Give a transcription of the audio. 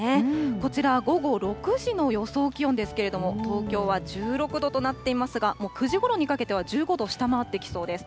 こちらは午後６時の予想気温ですけれども、東京は１６度となっていますが、９時ごろにかけては、１５度を下回ってきそうです。